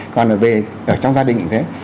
còn ở trong gia đình cũng thế